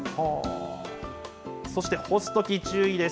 そして干すとき、注意です。